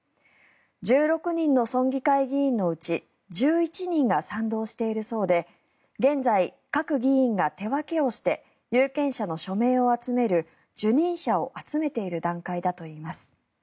１６人の村議会議員のうち１１人が賛同しているそうで現在、各議員が手分けをして有権者の署名を集める受任者を集めている段階だといいます。